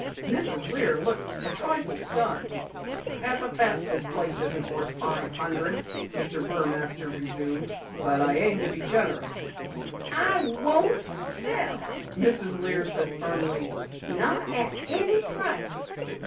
Mrs. Lear looked a trifle stunned. "At best the place isn't worth five hundred," Mr. Burmaster resumed. "But I aim to be generous." "I won't sell," Mrs. Lear said firmly. "Not at any price.